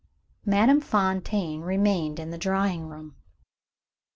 Madame Fontaine remained in the drawing room.